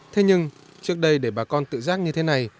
thế nhưng trước đây để bà con tự giác như thế này